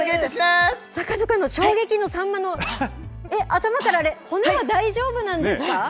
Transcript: さかなクン、衝撃のサンマのえっ、頭からあれ、骨は大丈夫なんですか。